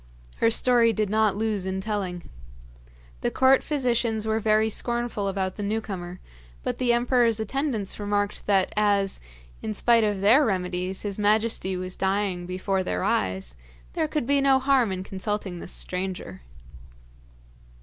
Her story did not lose in telling. The court physicians were very scornful about the new comer, but the emperor's attendants remarked that as, in spite of their remedies, his majesty was dying before their eyes, there could be no harm in consulting this stranger.